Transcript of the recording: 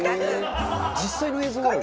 「実際の映像があるの？」